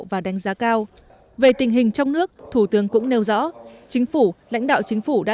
và đánh giá cao về tình hình trong nước thủ tướng cũng nêu rõ chính phủ lãnh đạo chính phủ đã